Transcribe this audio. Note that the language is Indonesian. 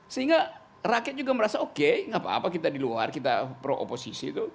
sehingga rakyat juga merasa oke gak apa apa kita di luar kita pro oposisi itu